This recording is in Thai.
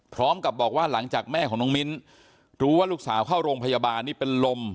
พร้อมกับบอกว่าหลังจากแม่ของน้องมิ้นรู้ว่าลูกสาวเข้าโรงพยาบาลนี่เป็นลม